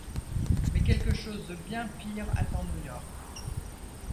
Mais quelque chose de bien pire attend New-York.